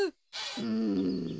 うん。